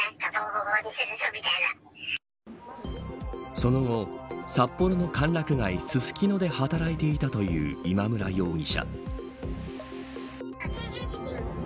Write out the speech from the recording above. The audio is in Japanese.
その後、札幌の歓楽街ススキノで働いていたという今村容疑者。